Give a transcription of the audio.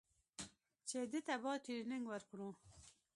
چې ده ته بايد ټرېننگ ورکړو.